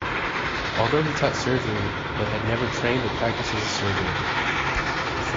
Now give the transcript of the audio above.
Although he taught surgery but had never trained or practised as a surgeon.